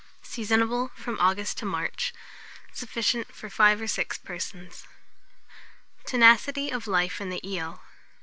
Seasonable from August to March. Sufficient for 5 or 6 persons. TENACITY OF LIFE IN THE EEL.